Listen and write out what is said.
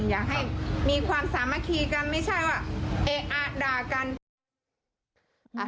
อยากให้มีความสามัคคีกันไม่ใช่ว่าเอ๊ะอ่ะด่ากัน